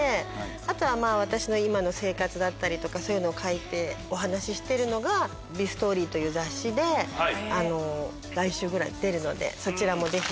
あとは私の今の生活だったりとかそういうのを書いてお話してるのが『美ＳＴ』という雑誌で来週ぐらいに出るのでそちらもぜひ。